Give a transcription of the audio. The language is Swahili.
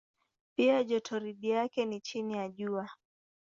Pia jotoridi yake ni chini ya Jua.